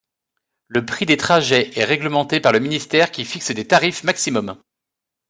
Le prix des trajets est règlementé par le ministère qui fixe des tarifs maximums.